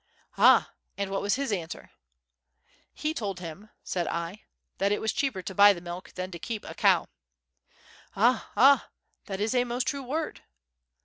"Ah! and what was his answer?" "He told him," said I, "that it was cheaper to buy the milk than to keep a cow." "Ah! ah! that is a most true word."